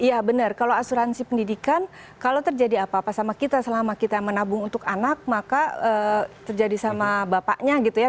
iya benar kalau asuransi pendidikan kalau terjadi apa apa sama kita selama kita menabung untuk anak maka terjadi sama bapaknya gitu ya